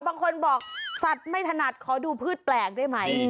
บางคนบอกสัตว์ไม่ถนัดขอดูพืชแปลกได้ไหม